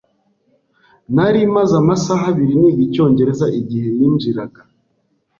Nari maze amasaha abiri niga icyongereza igihe yinjiraga.